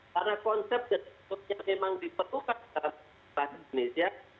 karena konsep yang memang diperlukan dalam bahasa indonesia